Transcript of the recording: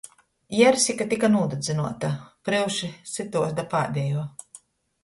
Jersika tyka nūdadzynuota, pryuši sytuos da pādejuo.